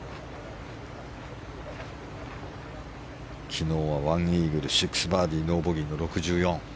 昨日は１イーグル、６バーディーノーボギーの６４。